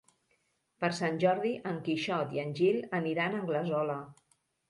Per Sant Jordi en Quixot i en Gil aniran a Anglesola.